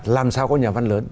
làm sao có nhà văn lớn